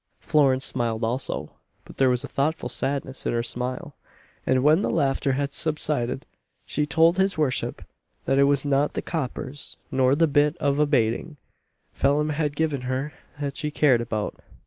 Florence smiled also; but there was a thoughtful sadness in her smile; and, when the laughter had subsided, she told his worship, that it was not the "coppers," nor the bit of a "bating" Phelim had given her, that she cared about.